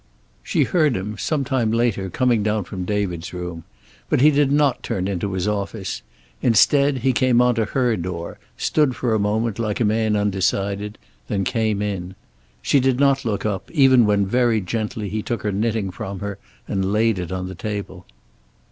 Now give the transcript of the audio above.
She heard him, some time later, coming down from David's room. But he did not turn into his office. Instead, he came on to her door, stood for a moment like a man undecided, then came in. She did not look up, even when very gently he took her knitting from her and laid it on the table.